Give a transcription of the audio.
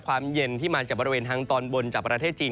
ความเย็นที่มาจากบริเวณทางตอนบนจากประเทศจีน